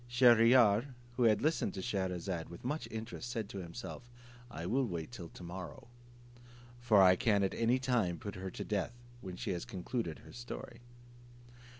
Shier ear, who had listened to Scheherazade with much interest, said to himself, "I will wait till to morrow, for I can at any time put her to death when she has concluded her story."